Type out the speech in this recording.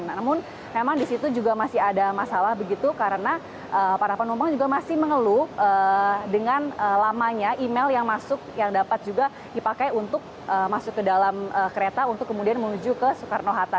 namun memang di situ juga masih ada masalah begitu karena para penumpang juga masih mengeluh dengan lamanya email yang masuk yang dapat juga dipakai untuk masuk ke dalam kereta untuk kemudian menuju ke soekarno hatta